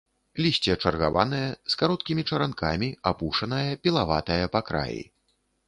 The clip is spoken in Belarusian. Лісце чаргаванае, з кароткімі чаранкамі, апушанае, пілаватае па краі.